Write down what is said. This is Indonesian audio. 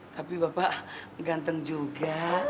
tapi bapak ganteng juga